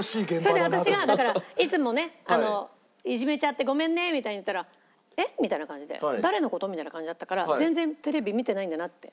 それで私がだから「いつもねいじめちゃってごめんね」みたいに言ったら「えっ？」みたいな感じで「誰の事？」みたいな感じだったから全然テレビ見てないんだなって。